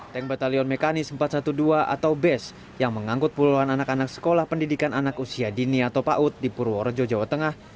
tank batalion mekanis empat ratus dua belas atau bes yang mengangkut puluhan anak anak sekolah pendidikan anak usia dini atau paut di purworejo jawa tengah